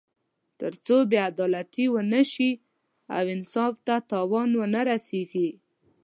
تر څو بې عدالتي ونه شي او انصاف ته تاوان ونه رسېږي.